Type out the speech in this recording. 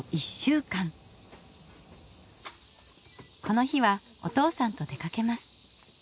この日はお父さんと出かけます。